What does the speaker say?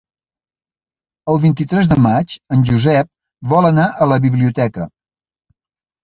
El vint-i-tres de maig en Josep vol anar a la biblioteca.